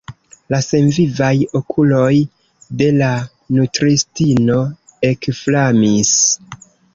La senvivaj okuloj de la nutristino ekflamis.